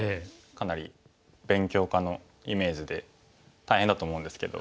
かなり勉強家のイメージで大変だと思うんですけど。